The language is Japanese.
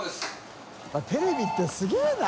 テレビってすげぇな。